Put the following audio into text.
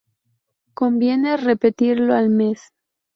Conviene repetirlo al mes.